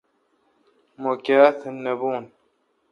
مہ کاتھ نہ بھوں